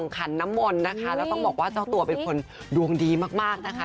ขันน้ำมนต์นะคะแล้วต้องบอกว่าเจ้าตัวเป็นคนดวงดีมากนะคะ